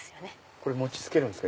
これ餅つけるんですか？